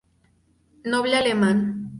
Noble alemán.